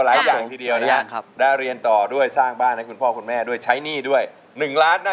เรื่องอะไรเพราะมวลใหม่มวลใหม่มวลนี้